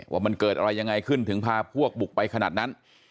ว่ามันเกิดอะไรยังไงขึ้นถึงพาพวกบุกไปขนาดนั้น